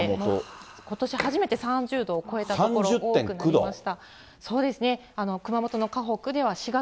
ことし初めて３０度を超えた所多くなりました。